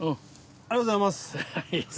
ありがとうございます。